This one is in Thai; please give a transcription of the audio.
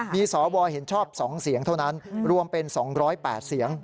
มีสวเห็นชอบ๒เสียงเท่านั้นรวมเป็น๒๐๘เสียง